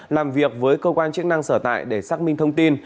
làm việc với cơ quan chức năng sở tại để xác minh thông tin